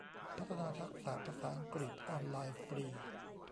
พัฒนาทักษะภาษาอังกฤษออนไลน์ฟรี